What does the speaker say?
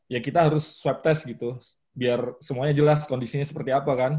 ya kita harus swab test gitu biar semuanya jelas kondisinya seperti apa kan